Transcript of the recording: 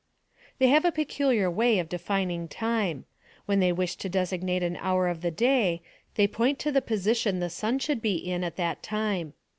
They have a peculiar way of defining time. When they wish to designate an hour of the day, they point to the position the sun should be in at that time.